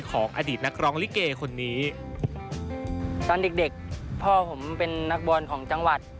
ตอนเด็กพ่อผมเป็นนักบอลของจังหวัด